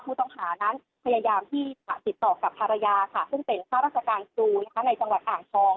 ผู้ต้องหานั้นพยายามที่จะติดต่อกับภรรยาค่ะซึ่งเป็นข้าราชการครูในจังหวัดอ่างทอง